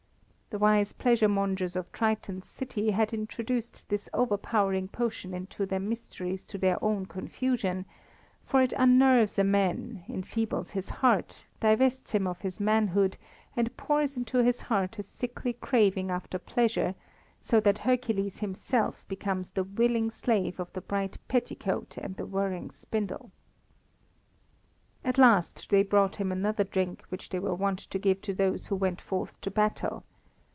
The wise pleasure mongers of Triton's city had introduced this overpowering potion into their mysteries to their own confusion, for it unnerves a man, enfeebles his heart, divests him of his manhood, and pours into his heart a sickly craving after pleasure so that Hercules himself becomes the willing slave of the bright petticoat and the whirring spindle. At last they brought him another drink which they were wont to give to those who went forth to battle.